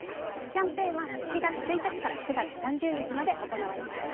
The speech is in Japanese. キャンペーンは７月１日から９月３０日まで行われます。